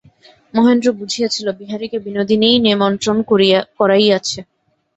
মহেন্দ্র বুঝিয়াছিল, বিহারীকে বিনোদিনীই নিমন্ত্রণ করাইয়াছে।